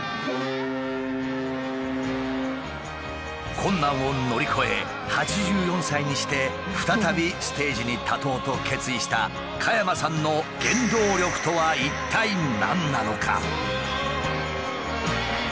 困難を乗り越え８４歳にして再びステージに立とうと決意した加山さんの原動力とは一体何なのか？